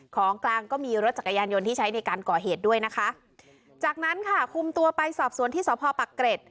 ของกลางก็มีรถจักรยานยนต์ที่ใช้ในการก่อเหตุด้วยนะคะจากนั้นค่ะคุมตัวไปสอบสวนที่สพปักเกร็ด